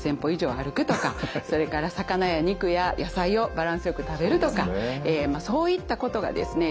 それから魚や肉や野菜をバランスよく食べるとかそういったことがですね